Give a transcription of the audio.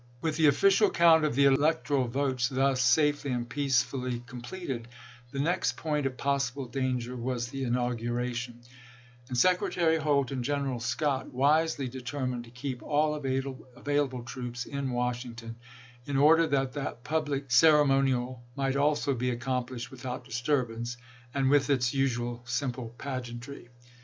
With the official count of the electoral votes thus safely and peacefully completed, the next point of possible danger was the inauguration; and Secretary Holt and General Scott wisely deter mined to keep all available troops in Washing ton, in order that that public ceremonial might also be accomplished without disturbance, and with its usual simple pageantry.